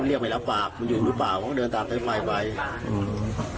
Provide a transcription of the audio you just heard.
มันเรียกไปรับฝากมันอยู่ในป่าวเขาก็เดินตามไปไปไปอืม